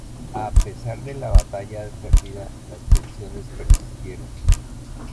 A pesar de la batalla perdida, las tensiones persistieron.